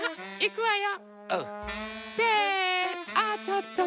いくわよ。